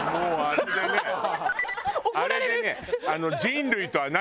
あれでね。